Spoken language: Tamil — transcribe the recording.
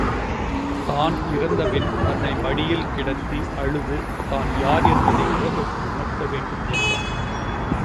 தான் இறந்தபின் தன்னை மடியில் கிடத்தி அழுது தான் யார் என்பதை உலகுக்கு உணர்த்த வேண்டும் என்றான்.